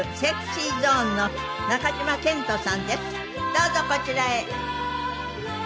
どうぞこちらへ。